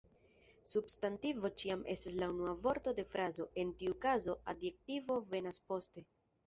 Substantivo ĉiam estas la unua vorto de frazo, en tiu kazo, adjektivo venas poste.